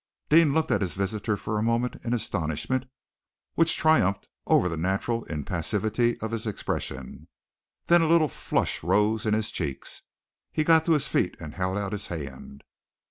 Deane looked at his visitor for a moment in an astonishment which triumphed over the natural impassivity of his expression. Then a little flush rose in his cheeks. He got to his feet and held out his hand.